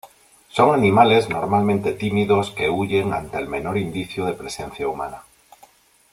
Son animales normalmente tímidos que huyen ante el menor indicio de presencia humana.